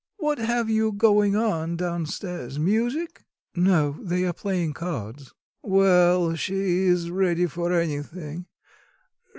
What have you going on down stairs music?" "No they are playing cards." "Well, she's ready for anything.